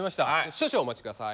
少々お待ち下さい。